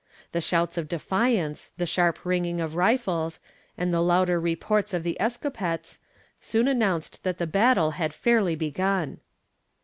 The shouts of defiance, the sharp ringing of rifles, and the louder reports of the escopettes, soon announced that the battle had fairly begun.